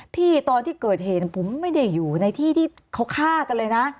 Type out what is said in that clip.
ตอนที่เกิดเหตุผมไม่ได้อยู่ในที่ที่เขาฆ่ากันเลยนะ